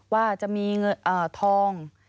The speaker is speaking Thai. ว่าจะมีเงินทอง